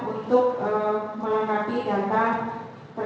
untuk melengkapi data